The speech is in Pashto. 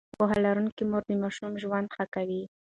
پوهه لرونکې مور د ماشوم ژوند ښه کوي.